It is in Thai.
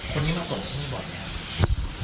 คนนี้มาส่งพี่บ่อยไง